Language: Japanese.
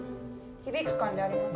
響く感じあります？